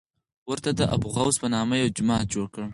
ورته د ابوغوث په نامه یو جومات جوړ کړی.